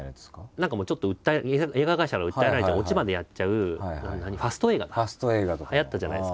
何か映画会社から訴えられたオチまでやっちゃうファスト映画かはやったじゃないですか。